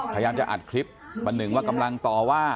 พยายามจะอัดคลิปประหนึ่งว่ากำลังต่อว่า